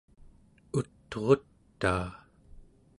ut'rutaa